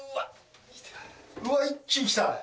うわっ一気にきた。